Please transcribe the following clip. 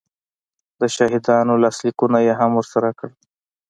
د شاهدانو لاسلیکونه یې هم ورسره کړل